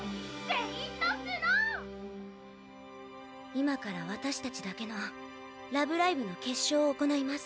今から私たちだけの「ラブライブ！」の決勝を行います。